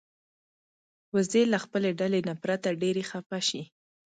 وزې له خپلې ډلې نه پرته ډېرې خپه شي